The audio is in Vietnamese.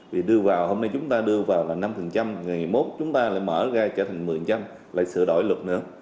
vì đưa vào hôm nay chúng ta đưa vào là năm ngày mốt chúng ta lại mở ra trở thành một mươi lại sửa đổi luật nữa